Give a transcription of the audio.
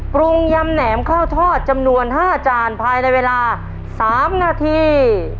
ยำแหนมข้าวทอดจำนวน๕จานภายในเวลา๓นาที